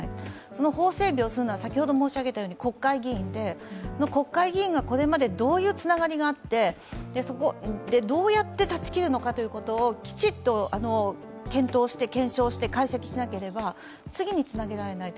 その法整備をするのは、国会議員で国会議員がこれまでどういうつながりがあって、どうやって断ち切るのかということを、きちんと検討して検証して解析しなければ次につなげられない。